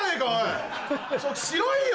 白いよ？